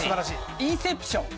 『インセプション』。